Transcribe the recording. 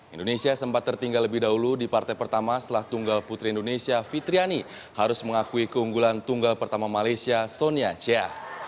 indonesia sempat tertinggal lebih dahulu di partai pertama setelah tunggal putri indonesia fitriani harus mengakui keunggulan tunggal pertama malaysia sonia chea